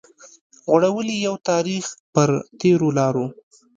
غوړولي يو تاريخ پر تېرو لارو